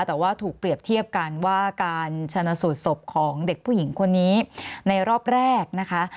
แต่ว่าถูกเปรียบเทียบกันว่าการชนะสูตรศพของเด็กผู้หญิงคนนี้ในรอบแรกนะคะ